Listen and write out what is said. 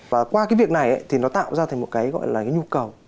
và qua cái việc này anh ấy thì nó tạo ra một cái gọi là nhu cầu